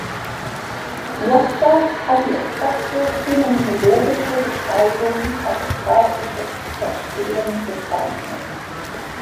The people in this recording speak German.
Jaspers hat die exakte phänomenologische Beschreibung als "statisches Verstehen" bezeichnet.